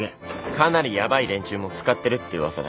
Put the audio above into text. かなりヤバい連中も使ってるって噂だ。